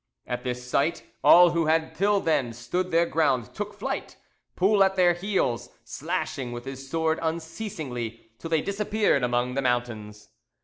At this sight all who had till then stood their ground took to flight, Poul at their heels, slashing with his sword unceasingly, till they disappeared among the mountains.